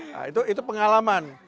nah itu pengalaman